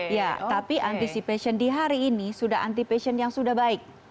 ya tapi anticipation di hari ini sudah anti passion yang sudah baik